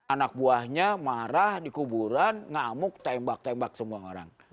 anak buahnya marah dikuburan ngamuk tembak tembak semua orang